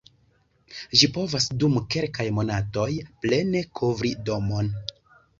Ĝi povas dum kelkaj monatoj plene kovri domon.